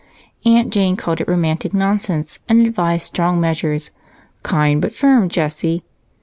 Aunt Jane called it romantic nonsense and advised strong measures "kind, but firm, Jessie."